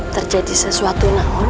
terjadi sesuatu namun